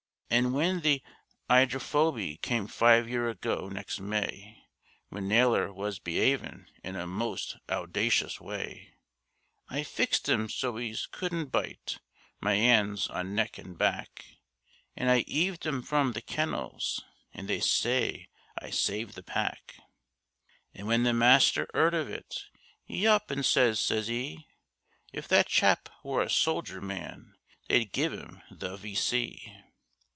And when the 'ydrophoby came five year ago next May, When Nailer was be'avin' in a most owdacious way, I fixed 'im so's 'e couldn't bite, my 'ands on neck an' back, An' I 'eaved 'im from the kennels, and they say I saved the pack. An' when the Master 'eard of it, 'e up an' says, says 'e, 'If that chap were a soldier man, they'd give 'im the V.